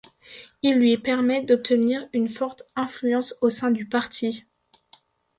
Il lui permet d'obtenir une forte influence au sein du parti.